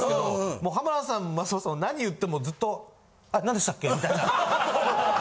もう浜田さん松本さんなに言ってもずっと「あっ何でしたっけ？」みたいな。